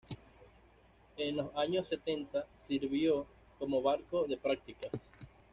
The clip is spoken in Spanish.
En los años setenta sirvió como barco de prácticas.